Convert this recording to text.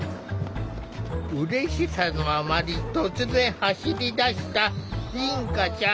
うれしさのあまり突然走り出した凛花ちゃん。